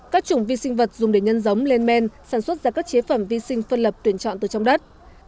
các chủng vi sinh vật dùng để nhân giống lên men sản xuất ra các chế phẩm vi sinh phân lập tuyển chọn từ trong đất